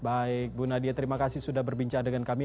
baik bu nadia terima kasih sudah berbincang dengan kami